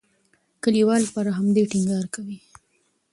لیکوال پر همدې ټینګار کوي.